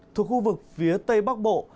thuộc khu vực phía tây bắc bộ